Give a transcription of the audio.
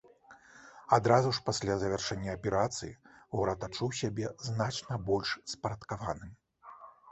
Адразу ж пасля завяршэння аперацыі горад адчуў сябе значна больш спарадкаваным.